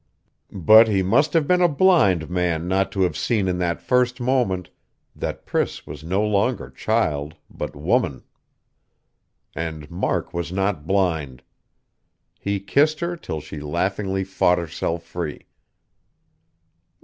But he must have been a blind man not to have seen in that first moment that Priss was no longer child, but woman. And Mark was not blind. He kissed her till she laughingly fought herself free.